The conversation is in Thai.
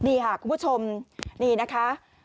นี่ค่ะคุณผู้ชมนี่นะคะ